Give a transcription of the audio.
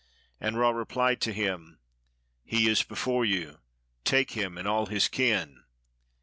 And Ra replied to him, "He is before you, take him and all his kin."